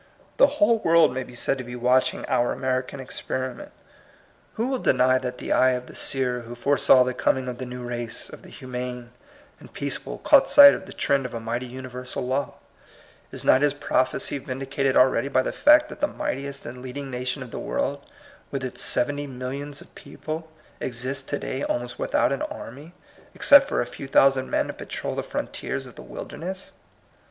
The whole world may be said to be watching our American experiment. Who will deny CBRTAtlf CLEAJt FACT8. 26 that the eye of the seer who foresaw the coming of the new race of the humane and peaceable caught sight of the trend of a mighty universal law? Is not his prophecy vindicated already by the fact that the mightiest and leading nation of the world, with its seventy millions of people, exists to day almost without an army, ex cept for a few thousand men to patrol the frontiers of the wilderness?